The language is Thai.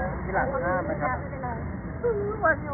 วิธีนักศึกษาติธรรมชาติธรรมชาติ